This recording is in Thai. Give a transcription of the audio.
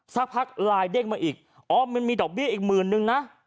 สักพักไลน์เด้งมาอีกอ๋อมันมีดอกเบี้ยอีกหมื่นนึงนะ